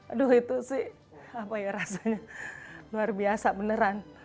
aduh itu sih apa ya rasanya luar biasa beneran